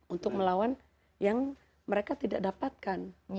untuk melawan yang mereka tidak dapatkan